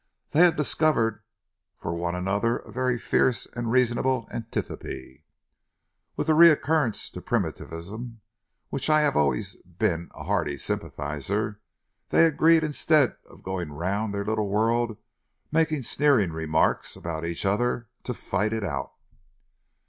They had discovered for one another a very fierce and reasonable antipathy. With that recurrence to primitivism with which I have always been a hearty sympathiser, they agreed, instead of going round their little world making sneering remarks about each other, to fight it out."